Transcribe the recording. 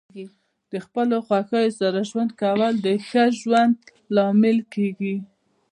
د خپلو خوښیو سره ژوند کول د ښه ژوند لامل کیږي.